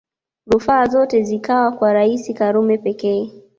Rufaa zote zikawa kwa Rais Karume pekee